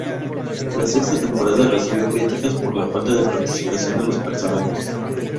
La sexta temporada recibió críticas por la falta de participación de los personajes.